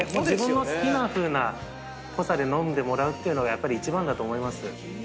自分の好きなふうな濃さで飲んでもらうっていうのがやっぱり一番だと思います。